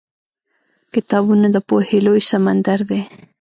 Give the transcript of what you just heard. کتابونه د پوهې لوی سمندر دی.